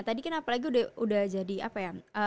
tadi kan apalagi udah jadi apa ya